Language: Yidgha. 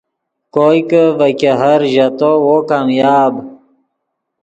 کوئے کہ ڤے ګہر ژیتو وو کامیاب